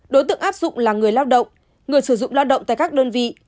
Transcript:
đối tượng áp dụng là người lao động người sử dụng lao động tại các đơn vị